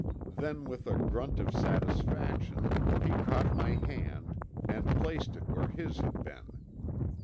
Then with a grunt of satisfaction he caught my hand and placed it where his had been.